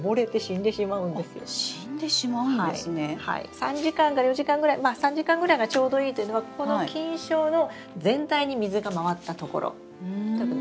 ３時間から４時間ぐらいまあ３時間ぐらいがちょうどいいというのはこの菌床の全体に水が回ったところということですね。